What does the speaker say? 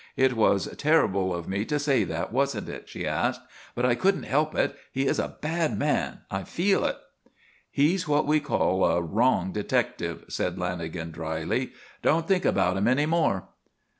"It was terrible of me to say that, wasn't it?" she asked. "But I couldn't help it! He is a bad man! I feel it!" "He's what we call a 'wrong' detective," said Lanagan, drily. "Don't think about him any more."